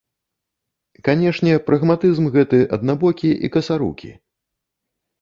Канешне, прагматызм гэты аднабокі і касарукі.